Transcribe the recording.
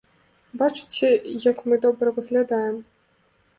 Бачыце, як мы добра выглядаем?